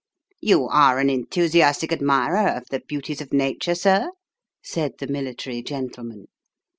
" You are an enthusiastic admirer of the beauties of Nature, sir '?" said the military gentleman.